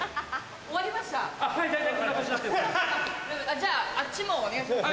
じゃああっちもお願いします。